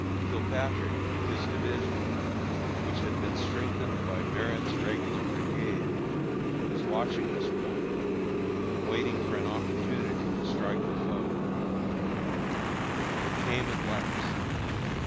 Kilpatrick, with his division, which had been strengthened by Merritt's Regular brigade, was watching this point, and waiting for an opportunity to strike the foe. It came at last.